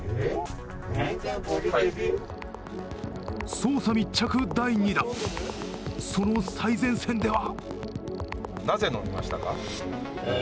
捜査密着第２弾、その最前線では。